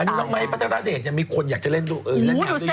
น้องไม้ปัจจัดอเตชยังมีคนอยากจะเล่นดูอือยังอยากดู